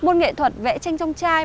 môn nghệ thuật vẽ tranh trong chai